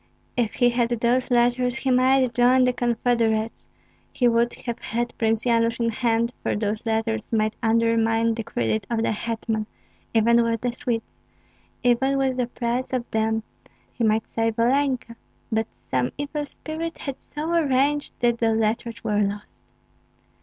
If he had those letters he might join the confederates, he would have had Prince Yanush in hand, for those letters might undermine the credit of the hetman, even with the Swedes, even with the price of them he might save Olenka; but some evil spirit had so arranged that the letters were lost.